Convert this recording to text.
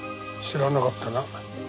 知らなかったな。